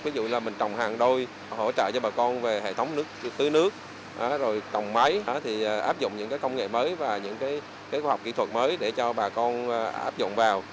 ví dụ là mình trồng hàng đôi hỗ trợ cho bà con về hệ thống nước tưới nước rồi trồng máy thì áp dụng những công nghệ mới và những khoa học kỹ thuật mới để cho bà con áp dụng vào